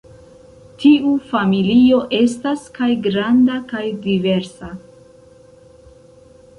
Tiu familio estas kaj granda kaj diversa.